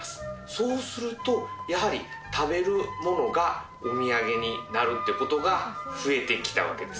そうすると、やはり食べるものがお土産になるっていうことが増えてきたわけです。